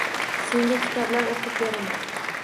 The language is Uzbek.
Senga kitoblar o’qib beraman.